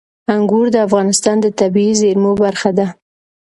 انګور د افغانستان د طبیعي زیرمو برخه ده.